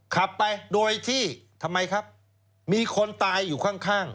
ขับไปโดยที่มีคนตายอยู่ข้าง